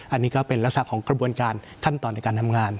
อันนี้ก็เป็นลักษณะของกระบวนการขั้นตอนในการทำงาน